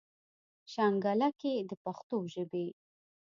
شانګله کښې د پښتو ژبې